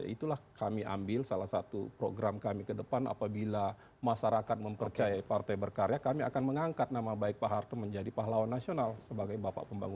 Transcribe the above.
itulah kami ambil salah satu program kami ke depan apabila masyarakat mempercayai partai berkarya kami akan mengangkat nama baik pak harto menjadi pahlawan nasional sebagai bapak pembangunan